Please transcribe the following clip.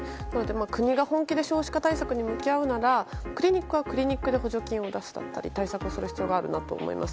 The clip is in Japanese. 国が本気で少子化対策に向き合うのであればクリニックはクリニックで補助金を出すなど対策する必要があると思います。